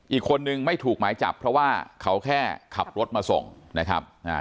อีกคนนึงไม่ถูกหมายจับเพราะว่าเขาแค่ขับรถมาส่งนะครับอ่า